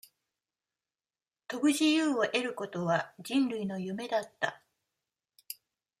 飛ぶ自由を得ることは、人類の夢だった。